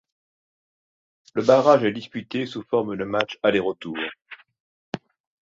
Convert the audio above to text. Le barrage est disputé sous forme de matchs aller-retour.